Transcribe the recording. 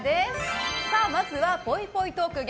まずは、ぽいぽいトーク！